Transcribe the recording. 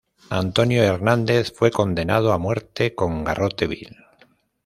Antonio Hernández fue condenado a muerte con garrote vil.